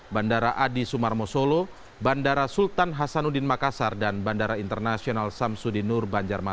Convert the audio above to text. bandara adi sumarmo solo bandara sultan hasanuddin makassar dan bandara internasional samsudinur banjarmasin